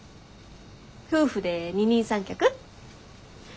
夫婦で二人三脚？